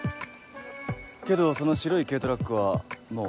けどその白い軽トラックはもう。